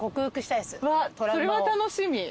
それは楽しみ。